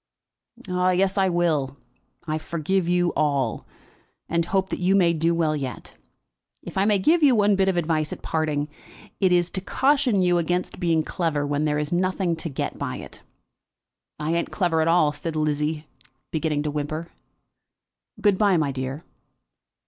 "Yes, I will. I forgive you all, and hope you may do well yet. If I may give you one bit of advice at parting, it is to caution you against being clever when there is nothing to get by it." "I ain't clever at all," said Lizzie, beginning to whimper. "Good bye, my dear."